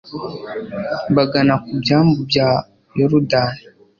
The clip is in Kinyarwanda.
bagana ku byambu bya yorudani